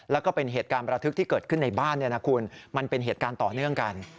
แล้วก็เป็นเหตุการณ์ประทึกที่เกิดขึ้นในบ้านเนี่ยนะคุณมันเป็นเหตุการณ์ต่อเนื่องกัน